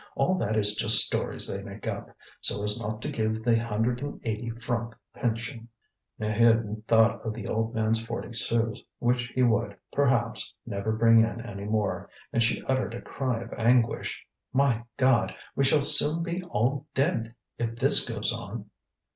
All that is just stories they make up, so as not to give the hundred and eighty franc pension." Maheude thought of the old man's forty sous, which he would, perhaps, never bring in any more, and she uttered a cry of anguish: "My God! we shall soon be all dead if this goes on."